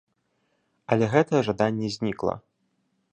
Але гэтае жаданне знікла.